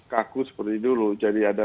kaku seperti dulu jadi ada